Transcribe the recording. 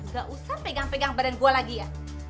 gak usah pegang pegang badan gue lagi ya